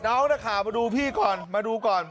น้องนะคะมาดูพี่ก่อนมาดูก่อน